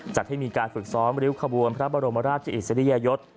จัดให้มีการฝึกซ้อมริ้วขบวนพระบรมราชอิสริยยศ